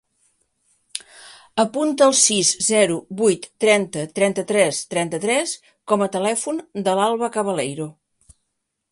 Apunta el sis, zero, vuit, trenta, trenta-tres, trenta-tres com a telèfon de l'Alba Cabaleiro.